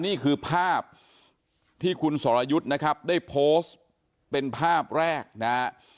นี่คือภาพที่คุณสรยุทธ์นะครับได้โพสต์เป็นภาพแรกนะฮะ